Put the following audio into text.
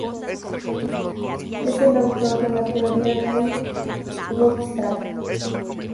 Es el autor de la teoría del bootstrap.